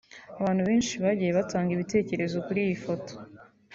Abantu benshi bagiye batanga ibitekerezo kuri iyi foto